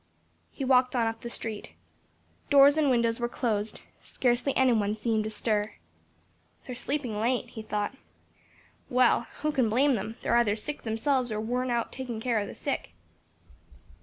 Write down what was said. He walked on up the street. Doors and windows were closed; scarcely any one seemed astir. "They're sleeping late," he thought "Well who can blame them? they're either sick themselves or worn out taking care of the sick."